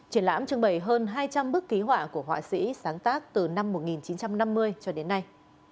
triển lãm trưng bày hơn hai trăm linh bức ký họa của họa sĩ sáng tác từ năm một nghìn chín trăm năm mươi cho đến nay